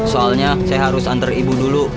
soalnya saya harus antar ibu dulu